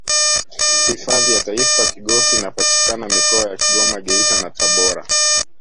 hifadhi ya taifa kigosi inapatikana mikoa ya kigoma geita na tabora